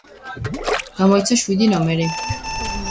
გამოიცა შვიდი ნომერი.